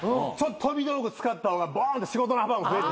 飛び道具使った方がボーンって仕事の幅も増える。